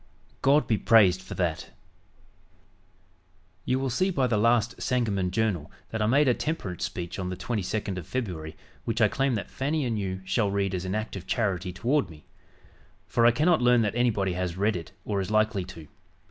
God be praised for that." "You will see by the last Sangamon Journal that I made a temperance speech on the 22d of February, which I claim that Fanny and you shall read as an act of charity toward me; for I cannot learn that anybody has read it or is likely to.